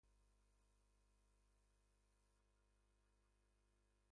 However Theon would still go on frequent visits to Paris.